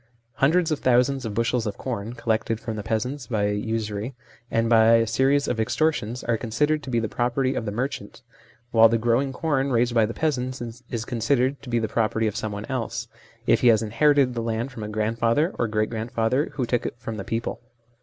Hundreds of thousands of bushels of corn, collected from the peasants by usury and by a series of extortions, are considered to be the property of the merchant, while the growing corn raised by the peasants is considered to be the property of someone else, if he has inherited the land from a grandfather or great grandfather who took it from the people.